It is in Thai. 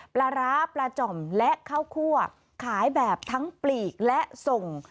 ปลาร้าปลาจ่อมและข้าวคั่วขายแบบทั้งปลีกและส่ง